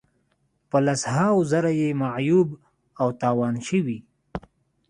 په لس هاوو زره یې معیوب او تاوان شوي.